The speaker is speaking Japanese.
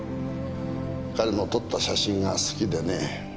彼の撮った写真が好きでね。